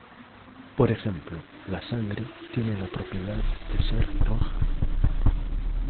Por ejemplo, la sangre tiene la propiedad de ser roja.